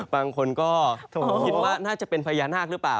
บางคนก็คิดว่าน่าจะเป็นพญานาคหรือเปล่า